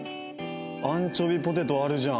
アンチョビポテトあるじゃん。